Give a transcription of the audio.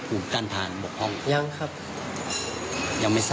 ก็คล้ายกันกับน้องสาวของตัวเองเลย